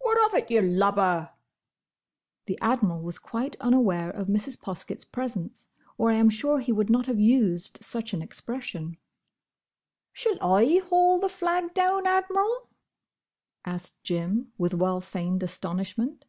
"What of it, you lubber?" The Admiral was quite unaware of Mrs. Poskett's presence, or I am sure he would not have used such an expression. "Shall I haul the flag down, Admiral?" asked Jim, with well feigned astonishment.